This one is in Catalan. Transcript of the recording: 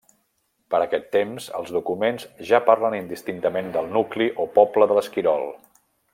Per aquest temps els documents ja parlen indistintament del nucli o poble de l'Esquirol.